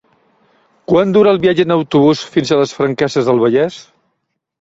Quant dura el viatge en autobús fins a les Franqueses del Vallès?